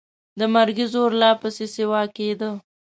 د مرګي زور لا پسې سیوا کېده.